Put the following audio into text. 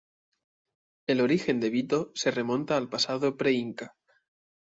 El origen de Vito, se remonta al pasado pre-inca.